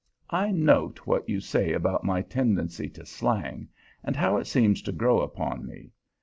I note what you say about my tendency to slang, and how it "seems to grow upon me."